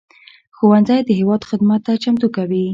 ښوونځی د هېواد خدمت ته چمتو کوي